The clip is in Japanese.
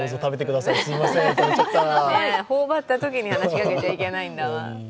頬ばったときに話しかけちゃいけないんだわ